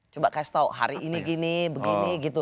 coba kasih tau hari ini gini begini gitu